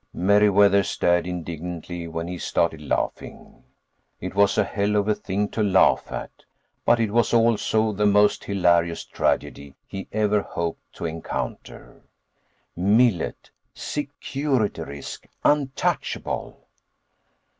Meriwether stared indignantly when he started laughing. It was a hell of a thing to laugh at, but it was also the most hilarious tragedy he ever hoped to encounter. Millet. Security risk. Untouchable.